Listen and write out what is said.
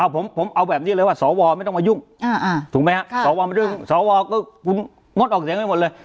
ผมเอาแบบนี้เลยว่าสวไม่ต้องมายุ่งสวก็มดออกเสียงไปหมดเลย